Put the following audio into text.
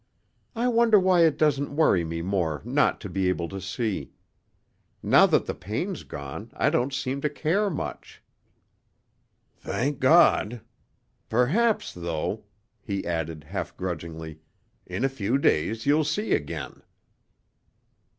"I wonder why it doesn't worry me more not to be able to see. Now that the pain's gone, I don't seem to care much." "Thank God. Perhaps, though," he added half grudgingly, "in a few days you'll see again."